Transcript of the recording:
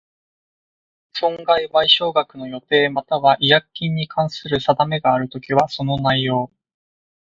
損害賠償額の予定又は違約金に関する定めがあるときは、その内容